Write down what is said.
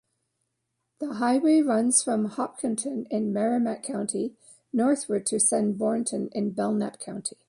The highway runs from Hopkinton in Merrimack County northward to Sanbornton in Belknap County.